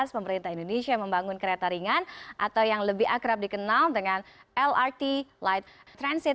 pemerintah indonesia membangun kereta ringan atau yang lebih akrab dikenal dengan lrt light transit